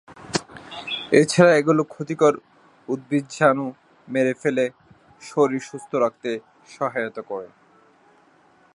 এ ছাড়া এগুলো ক্ষতিকর উদ্ভিজ্জাণু মেরে ফেলে শরীর সুস্থ রাখতে সহায়তা করে।